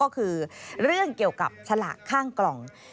ก็คือเรื่องเกี่ยวกับฉลากข้างกล่อง